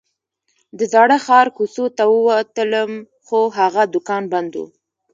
د زاړه ښار کوڅو ته ووتلم خو هغه دوکان بند و.